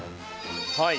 はい。